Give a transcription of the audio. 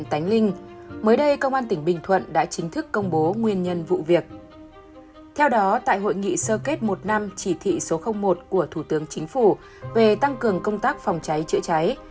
theo đó tại hội nghị sơ kết một năm chỉ thị số một của thủ tướng chính phủ về tăng cường công tác phòng cháy chữa cháy